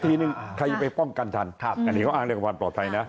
ทีนึงใครจะไปป้องกันทันอันนี้เขาอ้างเรื่องความปลอดภัยนะ